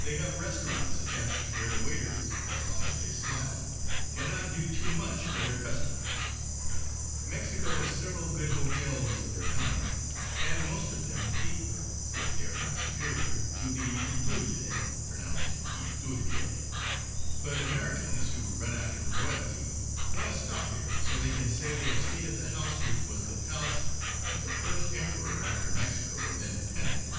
They have restaurants attached where the waiters, as long as they smile, cannot do too much for their customers. Mexico has several good hotels, of their kind, and most of them equal, if they are not superior, to the Iturbide pronounced Eeturbeda but Americans who run after royalty want to stop here so they can say they have stayed at the house which was the palace of the first emperor after Mexico was independent.